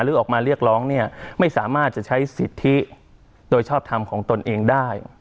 ออกมาเรียกร้องเนี่ยไม่สามารถจะใช้สิทธิโดยชอบทำของตนเองได้